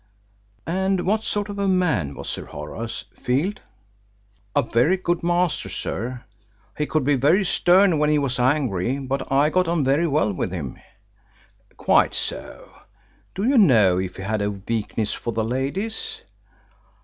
"And what sort of a man was Sir Horace, Field?" "A very good master, sir. He could be very stern when he was angry, but I got on very well with him." "Quite so. Do you know if he had a weakness for the ladies?"